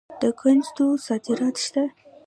د کنجدو صادرات شته.